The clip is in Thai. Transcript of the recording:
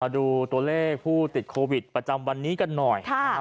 ดูตัวเลขผู้ติดโควิดประจำวันนี้กันหน่อย